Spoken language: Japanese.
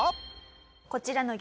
こちらの激